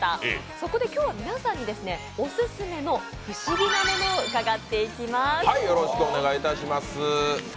そこで今日は皆さんにオススメの不思議なものを伺っていきます。